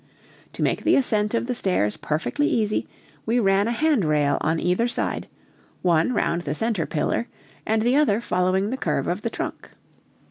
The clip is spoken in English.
To make the ascent of the stairs perfectly easy we ran a hand rail on either side, one round the center pillar, and the other following the curve of the trunk.